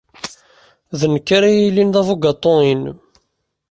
D nekk ara yilin d abugaṭu-inem.